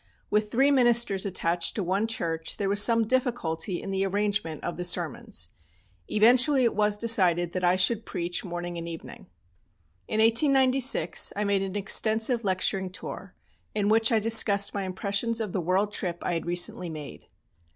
With three ministers attached to one church there was some difficulty in the arrangement of the sermons. Eventually it was decided that I should preach morning and evening. In 1896 I made an extensive lecturing tour, in which I discussed my impressions of the world trip I had recently made.